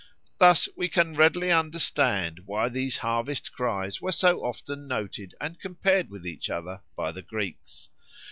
Thus we can readily understand why these harvest cries were so often noted and compared with each other by the Greeks.